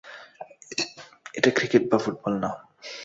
এটা ক্রিকেট বা ফুটবল না।